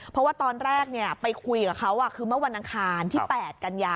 เพราะว่าตอนแรกไปคุยกับเขาคือเมื่อวันอังคารที่๘กันยา